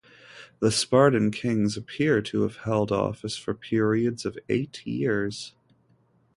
The Spartan kings appear to have held office for periods of eight years.